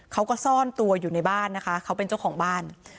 เขาก็ซ่อนตัวอยู่ในบ้านนะคะเขาเป็นเจ้าของบ้าน